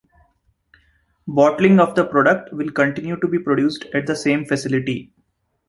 The bottling of the product will continue to be produced at the same facility.